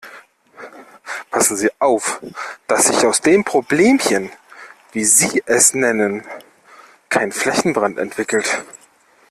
Passen Sie auf, dass sich aus dem Problemchen, wie Sie es nennen, kein Flächenbrand entwickelt.